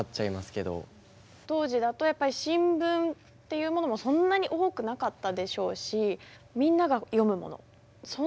当時だとやっぱり新聞っていうものもそんなに多くなかったでしょうしみんなが読むものそんなところで。